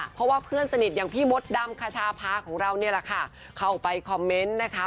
เพราะว่าเพื่อนสนิทอย่างพี่มดดำคชาพาของเราเนี่ยแหละค่ะเข้าไปคอมเมนต์นะคะ